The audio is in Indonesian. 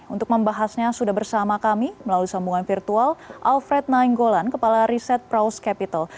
untuk membahasnya sudah bersama kami melalui sambungan virtual alfred nainggolan kepala riset praus capital